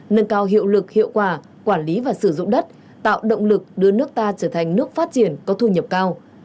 nâng cao hiệu lực hiệu quả quản lý và sử dụng đất tạo động lực đưa nước ta trở thành nước phát triển có thu nhập cao